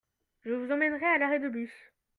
Je vous emmènerai à l'arrêt de bus.